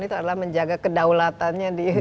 itu adalah menjaga kedaulatannya